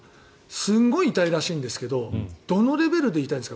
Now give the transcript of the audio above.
すんごい痛いらしいんですけどどのレベルで痛いんですか？